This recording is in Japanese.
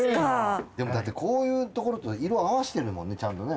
だってこういうところと色合わせてるもんねちゃんとね。